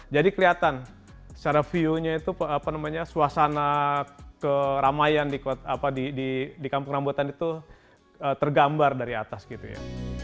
jadi kelihatan secara view nya itu apa namanya suasana keramaian di kampung rambutan itu tergambar dari atas gitu ya